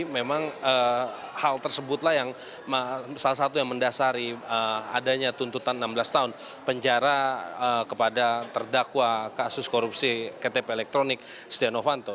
memang hal tersebutlah yang salah satu yang mendasari adanya tuntutan enam belas tahun penjara kepada terdakwa kasus korupsi ktp elektronik setia novanto